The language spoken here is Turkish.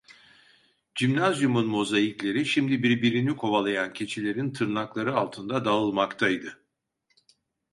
Gymnasium'un mozaikleri, şimdi birbirini kovalayan keçilerin tırnakları altında dağılmaktaydı.